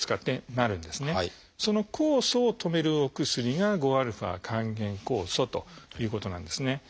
その酵素を止めるお薬が５α還元酵素ということなんですね。